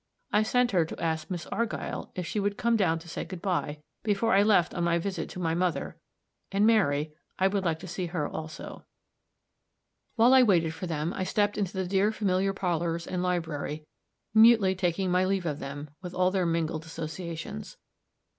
I sent her to ask Miss Argyll if she would come down to say good by, before I left on my visit to my mother; and Mary I would like to see her also. While I waited for them, I stepped into the dear familiar parlors and library, mutely taking my leave of them, with all their mingled associations.